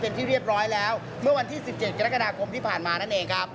เป็นที่เรียบร้อยแล้วเมื่อวันที่๑๗กรกฎาคมที่ผ่านมานั่นเองครับ